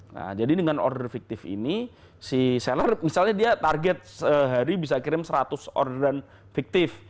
nah jadi dengan order fiktif ini si seller misalnya dia target sehari bisa kirim seratus orderan fiktif